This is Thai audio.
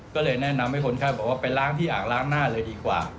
ก็เลยแนะนำให้คนไข้บอกว่าไปล้างที่อ่างล้างหน้าเลยดีกว่า